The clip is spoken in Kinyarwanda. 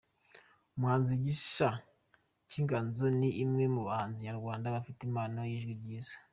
Umuhanzi Gisa cy'Inganzo ni umwe mu bahanzi nyarwanda bafite impano y'ijwi ryiza.